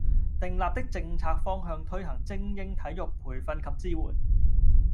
訂立的政策方向推行精英體育培訓及支援